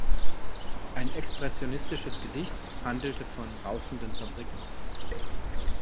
Ein expressionistisches Gedicht handelte von rauchenden Fabriken.